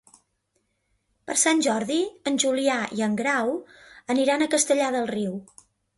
Per Sant Jordi en Julià i en Grau aniran a Castellar del Riu.